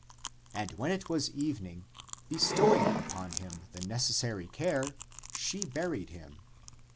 And when it was evening, bestowing upon him the necessary care, she buried him.